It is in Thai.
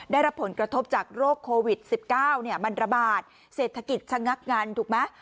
ได้รับผลกระทบจากโรคโควิดสิบเก้าเนี่ยบรรดาบาทเศรษฐกิจชะงักงันถูกไหม